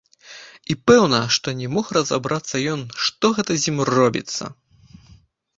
І пэўна, што не мог разабрацца ён, што гэта з ім робіцца.